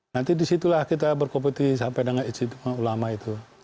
nanti disitulah kita berkompetisi sampai dengan ijtima ulama itu